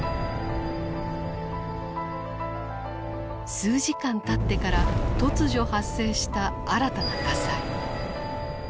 数時間たってから突如発生した新たな火災。